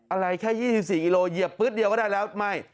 อะไรแค่๒๔กิโลเหยียบปื๊ดเดียวก็ได้แล้วไม่